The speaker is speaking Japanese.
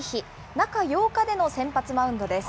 中８日での先発マウンドです。